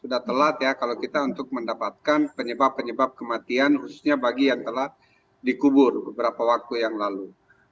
sudah telat ya kalau kita untuk mendapatkan penyebab penyebab kematian khususnya bagi yang telah dikubur beberapa waktu yang lalu